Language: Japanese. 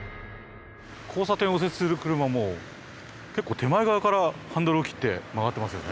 交差点を右折する車はもう結構手前側からハンドルを切って曲がってますよね。